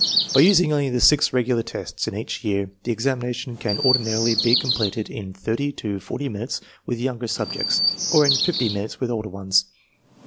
By using only the six regular tests in each year the examination can ordinarily be completed in thirty to forty minutes with younger subjects, or in fifty minutes with older ones.